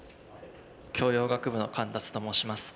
教養学部のカンダツと申します。